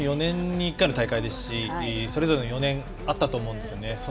本当に４年に１回の大会ですし、それぞれ４年あったと思うんですよね。